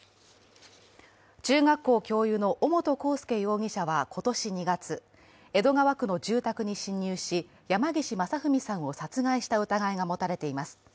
中学校教諭の尾本幸祐容疑者は今年２月、江戸川区の住宅に侵入し山岸正文さんを殺害した疑いが持たれています。